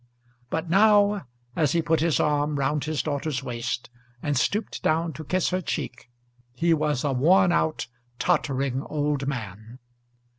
But now, as he put his arm round his daughter's waist, and stooped down to kiss her cheek, he was a worn out, tottering old man.